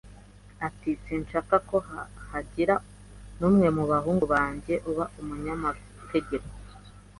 ati: "Sinshaka ko hagira n'umwe mu bahungu banjye uba umunyamategeko."